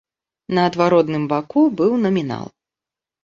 На адваротным баку быў намінал.